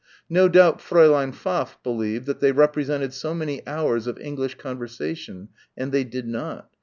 No doubt Fräulein Pfaff believed that they represented so many hours of English conversation and they did not.